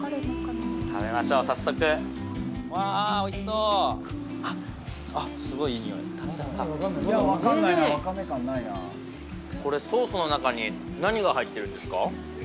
食べましょう早速うわおいしそうあっすごいいいにおいおいしいこれソースの中に何が入ってるんですか？